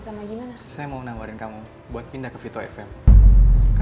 kalau belum kok minta